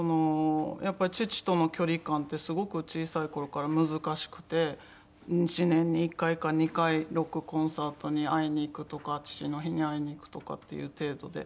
やっぱり父との距離感ってすごく小さい頃から難しくて１年に１回か２回ロックコンサートに会いに行くとか父の日に会いに行くとかっていう程度で。